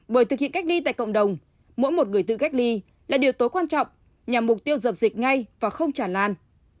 bởi thực hiện cách ly tại cộng đồng mỗi một người tự cách ly là điều tối quan trọng nhằm mục tiêu dập dịch ngay và không chản lan